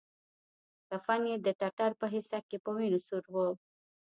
کفن يې د ټټر په حصه کښې په وينو سور و.